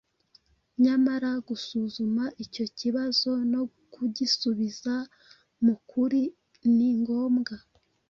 Nyamara gusuzuma icyo kibazo no kugisubiza mu kuri ni ngombwa